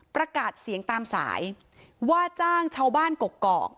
ประกาศเสียงตามสายว่าจ้างชาวบ้านกกอก